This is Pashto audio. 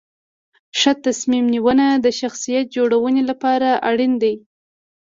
ښه تصمیم نیونه د شخصیت جوړونې لپاره اړین دي.